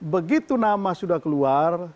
begitu nama sudah keluar